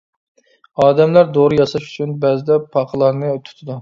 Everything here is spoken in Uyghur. ئادەملەر دورا ياساش ئۈچۈن بەزىدە پاقىلارنى تۇتىدۇ.